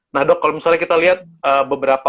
nah dok kalau misalnya kita lihat beberapa